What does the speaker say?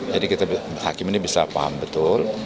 jadi kita hakim ini bisa paham betul